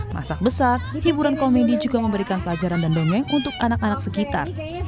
masak besar hiburan komedi juga memberikan pelajaran dan dongeng untuk anak anak sekitar